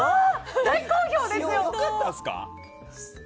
大好評ですよ！